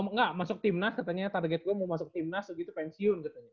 oh enggak masuk tim nas katanya target gue mau masuk tim nas gitu pensiun gitu